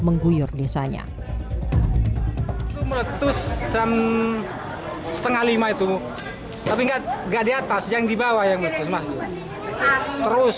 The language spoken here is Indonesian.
mengguyur desanya setengah lima itu tapi enggak diatas yang dibawa yang terus mengalir terus